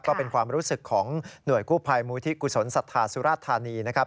ก็เป็นความรู้สึกของหน่วยกู้ภัยมูลที่กุศลศรัทธาสุราธานีนะครับ